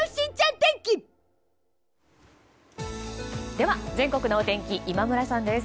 では、全国のお天気今村さんです。